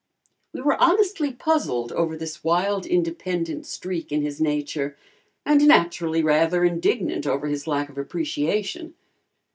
We were honestly puzzled over this wild independent streak in his nature, and naturally rather indignant over his lack of appreciation.